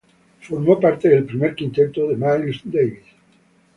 Formó parte del primer quinteto de Miles Davis.